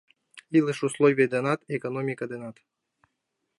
Илыш условий денат, экономика денат.